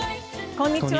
こんにちは。